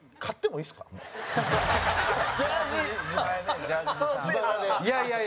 蛍原：いやいやいや！